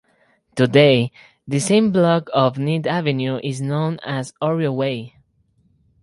Today, this same block of Ninth Avenue is known as Oreo Way.